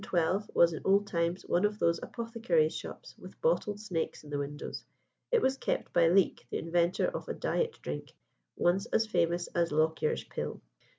112 was in old times one of those apothecaries' shops with bottled snakes in the windows. It was kept by Leake, the inventor of a "diet drink" once as famous as Lockyer's pill.